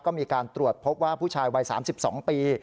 ก็มีการตรวจพบว่าผู้ชายวัย๓๒ปี